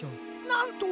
なんと！